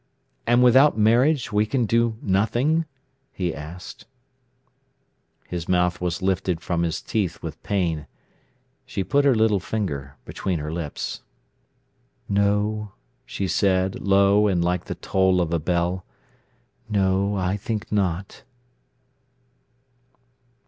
"And without marriage we can do nothing?" he asked. His mouth was lifted from his teeth with pain. She put her little finger between her lips. "No," she said, low and like the toll of a bell. "No, I think not."